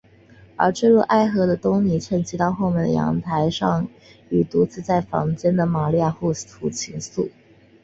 而坠入爱河的东尼趁机到后门的阳台上与独自在房间的玛利亚互吐情愫。